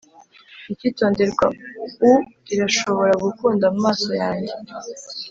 icyitonderwa: u irashobora gukunda mumaso yanjye.